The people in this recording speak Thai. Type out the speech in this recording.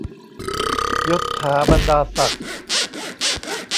ยศฐาบรรดาศักดิ์